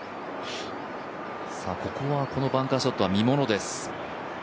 このバンカーショットは見ものです。